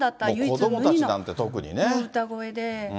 子どもたちなんて特にね。